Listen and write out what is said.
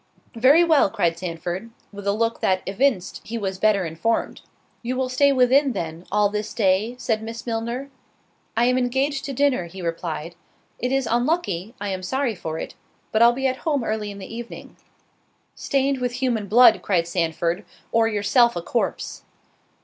"Very well!" cried Sandford, with a look that evinced he was better informed. "You will stay within then, all this day?" said Miss Milner. "I am engaged to dinner," he replied; "it is unlucky—I am sorry for it—but I'll be at home early in the evening." "Stained with human blood," cried Sandford, "or yourself a corpse."